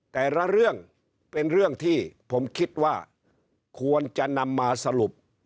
แต่ละเรื่องเป็นเรื่องที่ผมคิดว่าควรจะนำมาสรุป